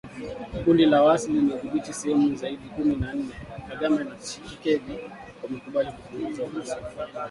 Kundi la Waasi limedhibiti sehemu zaidi ya kumi na nne, Kagame na Tshisekedi wamekubali kupunguza uhasama